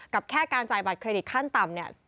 กับแค่การจ่ายบัตรเครดิตขั้นต่ำ